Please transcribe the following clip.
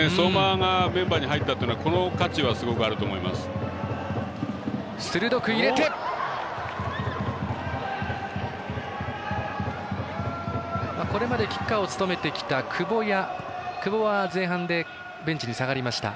相馬がメンバーに入ったここまでキッカーを務めた久保は前半でベンチに下がりました。